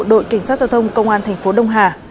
đội cảnh sát giao thông công an thành phố đông hà